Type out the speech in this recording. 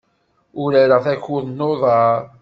Urareɣ takurt n uḍar.